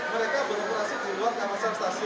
mereka beroperasi di luar kawasan stasiun